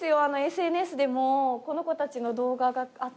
ＳＮＳでもこの子たちの動画があって。